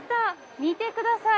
見てください。